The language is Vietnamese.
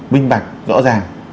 binh bạch rõ ràng